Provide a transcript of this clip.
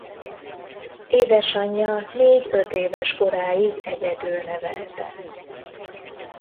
Édesanyja négy-öt éves koráig egyedül nevelte.